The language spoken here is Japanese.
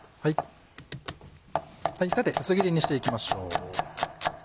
縦薄切りにしていきましょう。